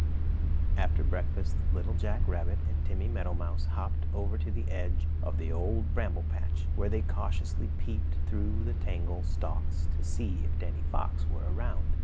After breakfast Little Jack Rabbit and Timmy Meadowmouse hopped over to the edge of the Old Bramble Patch, where they cautiously peeped through the tangled stalks to see if Danny Fox were around.